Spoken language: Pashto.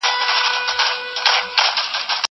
زه لوستل نه کوم!!